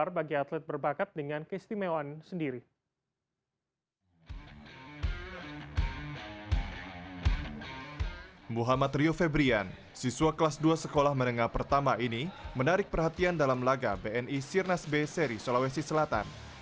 rio sekolah menengah pertama ini menarik perhatian dalam laga bni sirnas b seri sulawesi selatan